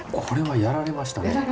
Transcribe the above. これはやられましたね。